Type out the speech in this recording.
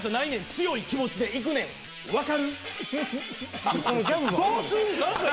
強い気持ちでいくねん分かる？